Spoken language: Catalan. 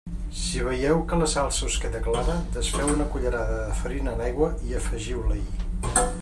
Si veieu que la salsa us queda clara, desfeu una cullerada de farina en aigua i afegiu-la-hi.